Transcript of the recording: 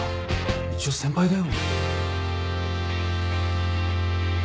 一応先輩だよ？